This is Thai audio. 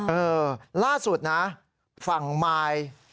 เออล่าสุดนะฝั่งมาย